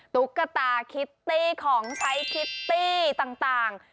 ตุ๊กตาคิตตี้ของใช้คิตตี้ต่าง